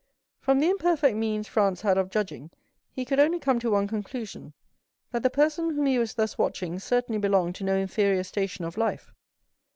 20135m From the imperfect means Franz had of judging, he could only come to one conclusion,—that the person whom he was thus watching certainly belonged to no inferior station of life.